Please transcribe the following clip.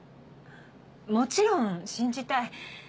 もちろん信じたい。